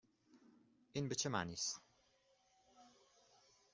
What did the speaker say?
این به چه معنی است؟